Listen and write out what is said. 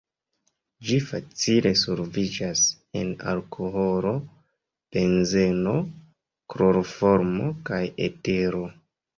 Ĝi facile solviĝas en alkoholo, benzeno, kloroformo kaj etero.